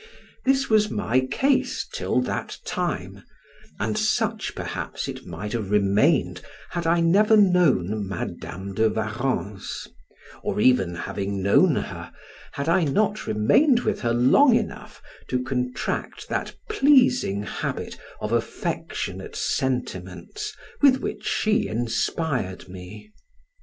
This was my case till that time, and such perhaps it might have remained had I never known Madam de Warrens, or even having known her, had I not remained with her long enough to contract that pleasing habit of affectionate sentiments with which she inspired me.